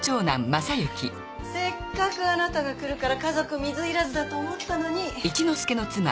せっかくあなたが来るから家族水入らずだと思ったのに。